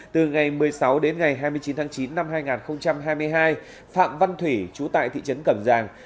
từ ngày một mươi sáu đến ngày hai mươi chín tháng chín năm hai nghìn hai mươi hai phạm văn thủy chú tại thị trấn cẩm giàng